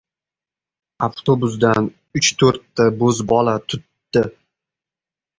Avtobusdan uch-to‘rtta bo‘zbola tutttdi.